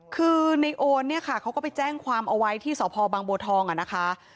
คือนายโอนเขาก็ไปแจ้งความเอาไว้ที่สภบังบทองนะคะ